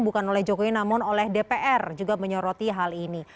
bukan oleh jokowi namun oleh dpr juga menyoroti hal ini